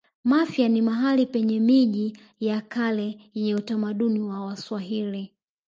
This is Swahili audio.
mafia ni mahali penye miji ya kale yenye utamaduni wa waswahili